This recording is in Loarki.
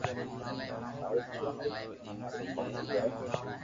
مارو من ماري مرزي ٿارو ڪاو جي